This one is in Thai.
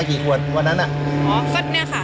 กี่ขวดวันนั้นอ๋อก็เนี้ยค่ะที่บอกเลยสามไม่เกินนี้สี่ขวด